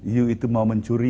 anda itu mau mencuri